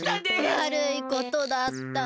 わるいことだった。